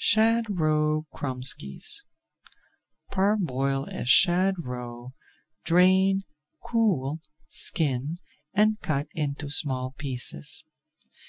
SHAD ROE KROMESKIES Parboil a shad roe, drain, cool, skin, and cut into small pieces.